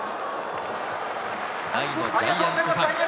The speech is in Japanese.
大のジャイアンツファン。